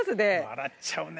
笑っちゃうね。